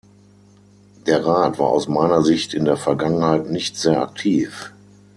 Der Rat war aus meiner Sicht in der Vergangenheit nicht sehr aktiv.